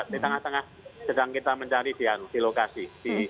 di tengah tengah sedang kita mencari di lokasi